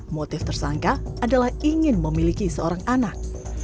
motif tersangka adalah ingin memiliki seorang anak